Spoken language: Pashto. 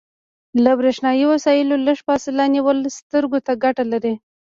له بریښنایي وسایلو لږه فاصله نیول سترګو ته ګټه لري.